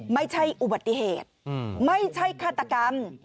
ไม่ใช่อุบัติเหตุไม่ใช่ฆาตกรรม